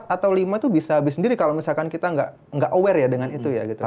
atau lima tuh bisa habis sendiri kalau misalkan kita nggak aware ya dengan itu ya gitu